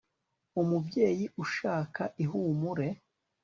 umubyeyi ushaka ihumure